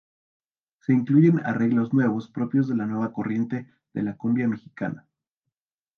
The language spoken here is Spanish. Se incluyen arreglos nuevos propios de la nueva corriente de la cumbia mexicana.